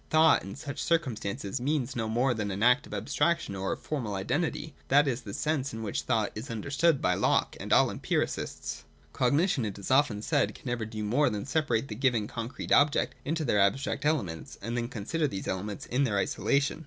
Thought in such circumstances means no more than an act of abstraction or of formal identity. That is the sense in which thought is understood by Locke and all empiricists. Cognition, it is often said, can never do more than separate the given concrete objects into their abstract elements, and then con sider these elements in their isolation.